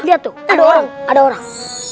lihat tuh ada orang